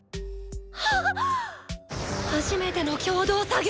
はっ初めての共同作業！